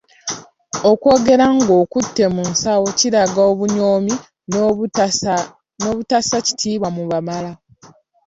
Okwogera ng'okutte mu nsawo kiraga obunyoomi n'obutassa kitiibwa mu bamala.